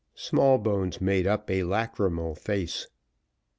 Smallbones made up a lachrymal face.